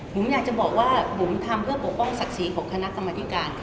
ผมอยากจะบอกว่าบุ๋มทำเพื่อปกป้องศักดิ์ศรีของคณะกรรมธิการ